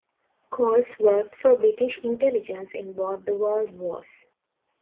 Coles worked for British Intelligence in both the World Wars.